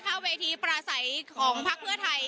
นักข้าวเวทีประสัยของภักดิ์เพื่อไทย